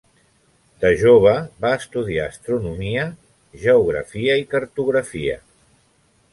De jove va estudiar astronomia, geografia i cartografia.